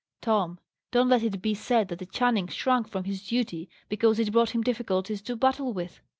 Tom, don't let it be said that a Channing shrunk from his duty because it brought him difficulties to battle with."